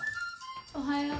おはよう。